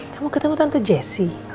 kamu ketemu tante jessy